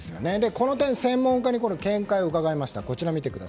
この点、専門家に見解を伺いました。